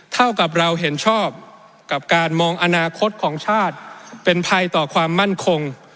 เท่ากับเราเห็นชอบกับการมองอนาคตของชาติเป็นภัยต่อความมั่นคง